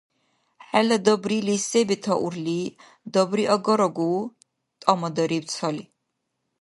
— ХӀела дабрилис се бетаурли? Дабри агарагу! — тӀамадариб цали.